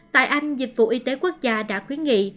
tại anh dịch vụ y tế quốc gia đã khuyến nghị